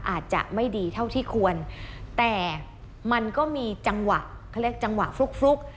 อาจจะไม่ดีเท่าที่ควรแต่มันก็มีจังหวะเขาเรียกจังหวะฟลุกฟลุก